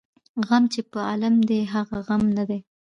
ـ غم چې په عالم دى هغه غم نه دى.